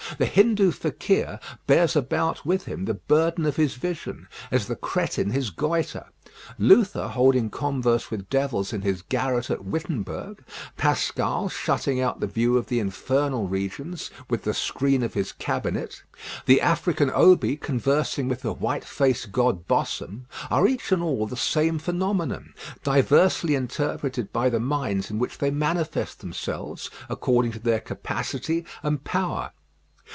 The Hindoo fakir bears about with him the burden of his vision, as the Cretin his goître. Luther holding converse with devils in his garret at Wittenburg; Pascal shutting out the view of the infernal regions with the screen of his cabinet; the African Obi conversing with the white faced god Bossum; are each and all the same phenomenon, diversely interpreted by the minds in which they manifest themselves, according to their capacity and power.